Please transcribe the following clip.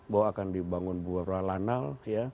bahwa akan dibangun bua pralanal